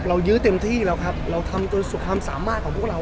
ยื้อเต็มที่แล้วครับเราทำจนสุดความสามารถของพวกเรา